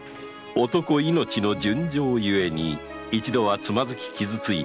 男命の純情ゆえに一度はつまずき傷ついた